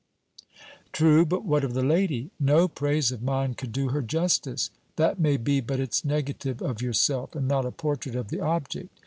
'True; but what of the lady?' 'No praise of mine could do her justice.' 'That may be, but it's negative of yourself, and not a portrait of the object.